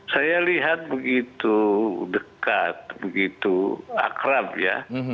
saya lihat begitu dekat begitu akrab ya